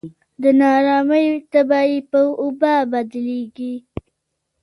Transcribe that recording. د نا ارامۍ تبه یې په وبا بدلېږي.